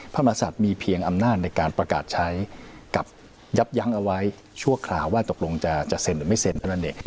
พระมศัตริย์มีเพียงอำนาจในการประกาศใช้กับยับยั้งเอาไว้ชั่วคราวว่าตกลงจะเซ็นหรือไม่เซ็นเท่านั้นเอง